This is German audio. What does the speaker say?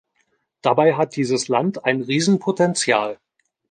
Dabei hat dieses Land ein Riesenpotenzial.